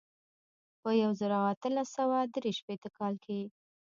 په یو زر او اتلس سوه درې شپېته کال کې.